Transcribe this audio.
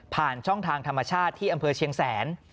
ช่องทางธรรมชาติที่อำเภอเชียงแสน